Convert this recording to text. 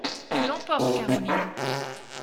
Tu l'emportes, Caroline!